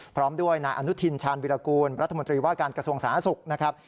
พร้อมด้วยนายอนุทินชาญวิรากูลรัฐมนตรีว่าการกระทรวงสาธารณสุขนะครับ